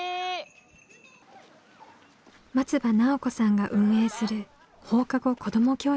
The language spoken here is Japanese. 松場奈緒子さんが運営する放課後子ども教室。